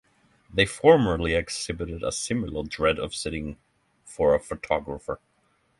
They formerly exhibited a similar dread of sitting for a photographer.